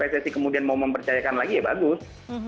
pssi kemudian mau mempercayakan lagi ya bagus